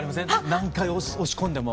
何回押し込んでも。